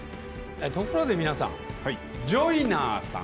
ところで皆さん、ジョイナーさん。